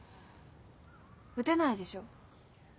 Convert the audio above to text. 撃てないでしょ？